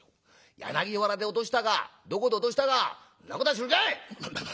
柳原で落としたかどこで落としたかんなことは知るかい！」。